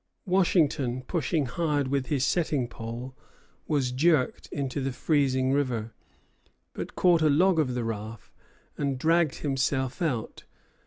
Washington, pushing hard with his setting pole, was jerked into the freezing river; but caught a log of the raft, and dragged himself out.